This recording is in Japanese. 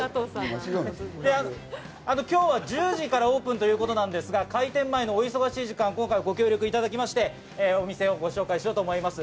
今日は１０時からオープンということなんですが開店前のお忙しい時間、今回ご協力いただきまして、お店をご紹介します。